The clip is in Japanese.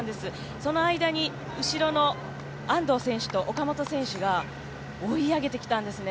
その間に、後ろの安藤選手と岡本選手が追い上げてきたんですね。